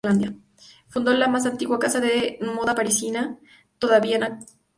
Fundó la más antigua casa de moda parisina todavía en activo, la casa Lanvin.